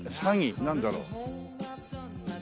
なんだろう？ねえ。